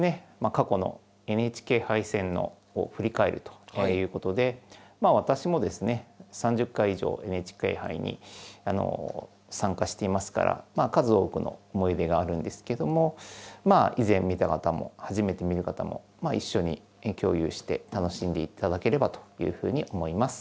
過去のＮＨＫ杯戦を振り返るということで私もですね３０回以上ＮＨＫ杯に参加していますから数多くの思い出があるんですけどもまあ以前見た方も初めて見る方もまあ一緒に共有して楽しんでいただければというふうに思います。